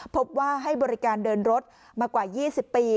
พบว่าให้บริการเดินรถมากว่า๒๐ปี